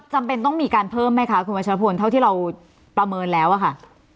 จำเป็นต้องมีการเพิ่มไหมคะคุณวัชรพลเท่าที่เราประเมินแล้วอะค่ะ